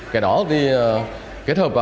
cái đó thì kết hợp